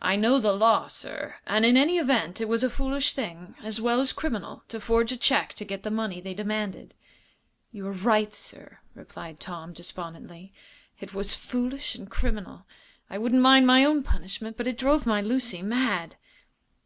"I know the law, sir, and in any event it was a foolish thing, as well as criminal, to forge a check to get the money they demanded." "You are right, sir," replied Tom Gates, despondently. "It was foolish and criminal. I wouldn't mind my own punishment, but it drove my Lucy mad."